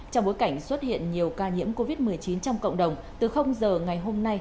trong bối cảnh xuất hiện nhiều ca nhiễm covid một mươi chín trong cộng đồng từ giờ ngày hôm nay